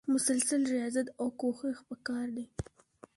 مسلسل ریاضت او کوښښ پکار دی.